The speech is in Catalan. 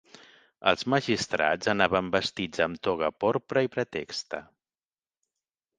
Els magistrats anaven vestits amb toga porpra i pretexta.